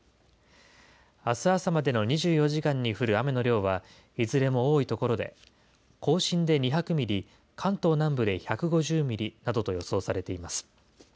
あす朝までの２４時間に降る雨の量はいずれも多い所で、甲信で２００ミリ、関東南部で１５０ミリなどと予想されています。